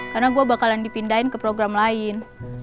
karena gue bakalan dipindahin ke program lain